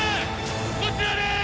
こちらです！